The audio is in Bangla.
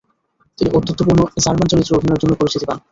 তিনি ঔদ্ধত্যপূর্ণ জার্মান চরিত্রে অভিনয়ের জন্য পরিচিতি পান।